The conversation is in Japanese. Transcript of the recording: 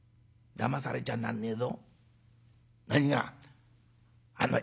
だまされちゃなんねえぞ」。